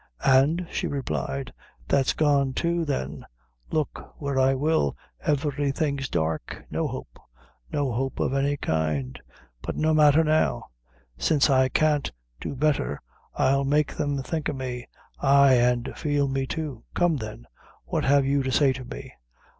"Ah," she replied, "that's gone too, then look where I will, everything's dark no hope no hope of any kind; but no matther now; since I can't do betther, I'll make them think o' me: aye, an' feel me too. Come, then, what have you to say to me?"